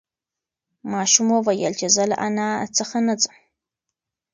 ماشوم وویل چې زه له انا څخه نه ځم.